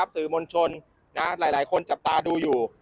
สื่อมวลชนหลายคนจับตาดูอยู่